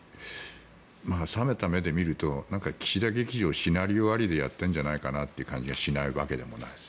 冷めた目で見ると岸田劇場をシナリオありでやってるんじゃないかという気がしないわけでもない。